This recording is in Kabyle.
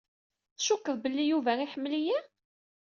Tcukkeḍ belli Yuba iḥemmel-iyi?